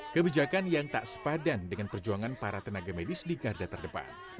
kebijakan yang tak sepadan dengan perjuangan para tenaga medis di garda terdepan